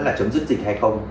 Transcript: là chấm dứt dịch hay không